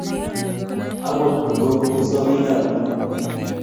Agot ngo usa bikab ngony